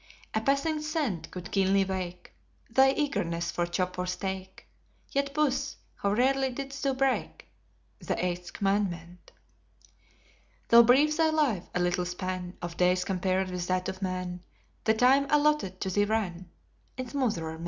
A passing scent could keenly wake Thy eagerness for chop or steak, Yet, Puss, how rarely didst thou break The eighth commandment. Though brief thy life, a little span Of days compared with that of man, The time allotted to thee ran In smoother metre.